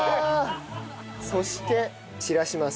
そして散らします。